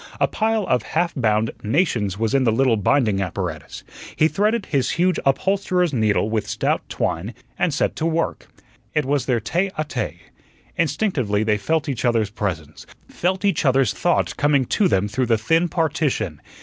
A pile of half bound "Nations" was in the little binding apparatus; he threaded his huge upholsterer's needle with stout twine and set to work. It was their tete a tete. Instinctively they felt each other's presence, felt each other's thought coming to them through the thin partition.